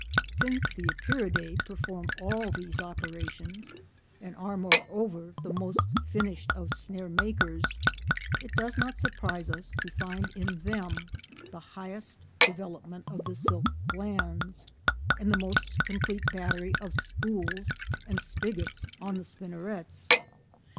Since the Epeiridae perform all these operations, and are, moreover, the most finished of snare makers, it does not surprise us to find in them the highest development of the silk glands and the most complete battery of spools and spigots on the spinnerets.